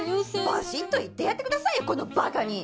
バシっと言ってやってくださいよこのばかに！